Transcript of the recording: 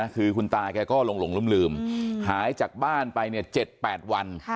คือคุณตาแกก็หลงลืมหายจากบ้านไป๗๘วัน